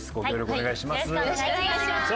お願いします。